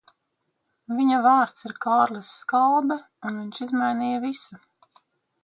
Viņa vārds ir Kārlis Skalbe, un viņš izmainīja visu.